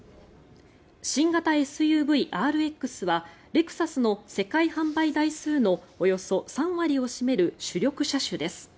新型ＳＵＶ、ＲＸはレクサスの世界販売台数のおよそ３割を占める主力車種です。